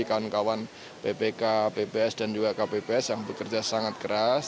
kawan kawan ppk bps dan juga kpps yang bekerja sangat keras